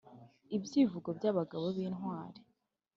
Ibyivugo by' abagabo b'intwari